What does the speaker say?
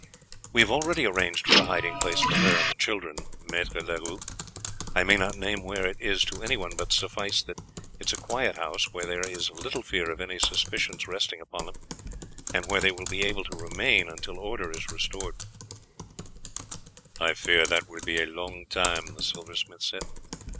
"We have already arranged for a hiding place for her and the children, Maître Leroux. I may not name where it is to anyone, but suffice that it is a quiet house where there is little fear of any suspicions resting upon them, and where they will be able to remain until order is restored." "I fear that that will be a long time," the silversmith said.